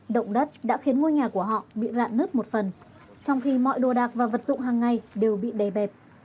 động đất đã khiến ngôi nhà của họ bị rạn nứt một phần trong khi mọi đồ đạc và vật dụng hàng ngày đều bị đè bẹp